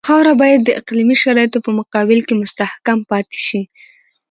خاوره باید د اقلیمي شرایطو په مقابل کې مستحکم پاتې شي